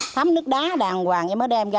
thấm nước đá đàng hoàng em mới đem ra